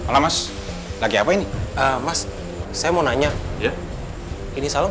nah jangan borong